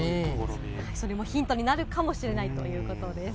それもヒントになるかもしれないということです。